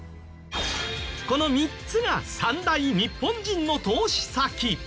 この３つが３大日本人の投資先。